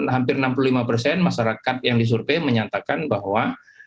hampir enam puluh lima persen masyarakat yang disurvey menyatakan bahwa